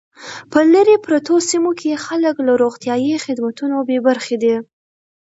په لري پرتو سیمو کې خلک له روغتیايي خدمتونو بې برخې دي